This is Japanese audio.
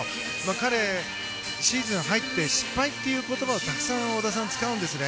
彼、シーズン入って失敗という言葉をたくさん使うんですね。